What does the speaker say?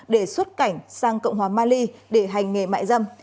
để xuất cảnh sang cộng hòa mali để hành nghề mại dâm